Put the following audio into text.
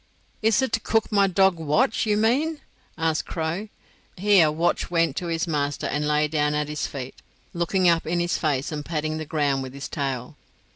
"Is it to cook my dog Watch you mean?" asked Crow. (Here Watch went to his master, and lay down at his feet, looking up in his face and patting the ground with his tail.)